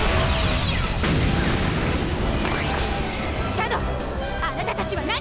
シャドウあなたたちは何？